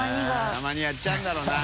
たまにやっちゃうんだろうな。